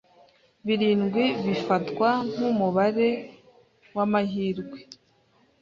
Birindwi bifatwa nkumubare wamahirwe.